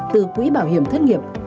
từ quỹ bảo hiểm thất nghiệp